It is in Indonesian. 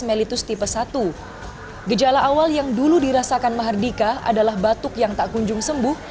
melitus tipe satu gejala awal yang dulu dirasakan mahardika adalah batuk yang tak kunjung sembuh